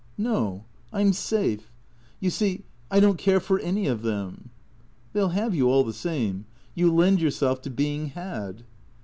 " No. I 'm safe. You see, I don't care for any of them." " They '11 ' have ' you all the same. You lend yourself to being ' had.'